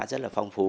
rất là phong phú